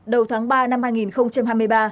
đầu tháng ba năm hai nghìn hai mươi ba